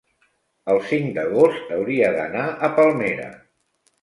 El cinc d'agost hauria d'anar a Palmera.